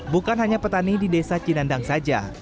bukan hanya petani di desa cinandang saja